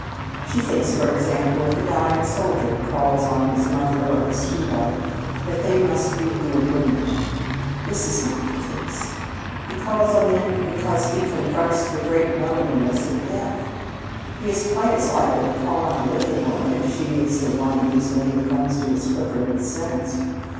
She thinks, for example, if a dying soldier calls on his mother or his sweetheart that they must be good women. This is not the case. He calls on them because confronts the great loneliness of death. He is quite as likely to call on a wicked woman if she is the one whose name comes to his flickering sense.